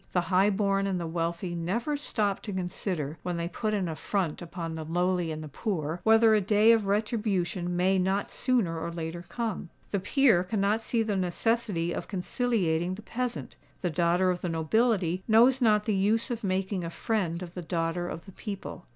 The high born and the wealthy never stop to consider, when they put an affront upon the lowly and the poor, whether a day of retribution may not sooner or later come. The peer cannot see the necessity of conciliating the peasant: the daughter of the nobility knows not the use of making a friend of the daughter of the people.